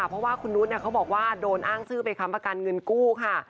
เพราะว่าคุณนุษย์เขาบอกว่าโดนอ้างชื่อไปค้ำประกันเงินกู้ค่ะ